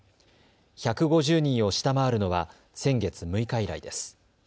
１５０人を下回るのは先月６日以来です。